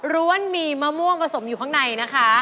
้วนมีมะม่วงผสมอยู่ข้างในนะคะ